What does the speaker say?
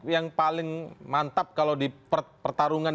yang paling mantap kalau di pertarungan